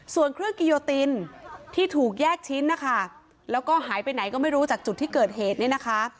ส่วนเครื่องกิโยตินที่ถูกแยกชิ้นนะคะแล้วก็หายไปไหนก็ไม่รู้จากจุดที่เกิดเหตุเนี่ยนะคะ